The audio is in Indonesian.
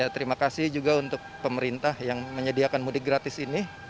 terima kasih juga untuk pemerintah yang menyediakan mudik gratis ini